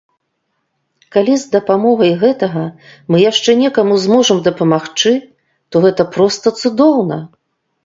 Калі з дапамогай гэтага мы яшчэ некаму зможам дапамагчы, то гэта проста цудоўна!